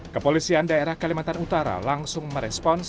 kepolisian daerah kalimantan utara langsung merespons